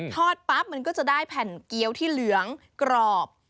ปั๊บมันก็จะได้แผ่นเกี้ยวที่เหลืองกรอบ